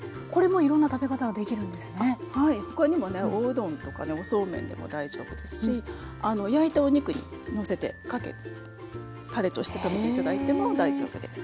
はい他にもねおうどんとかねおそうめんでも大丈夫ですし焼いたお肉にのせてたれとして食べて頂いても大丈夫です。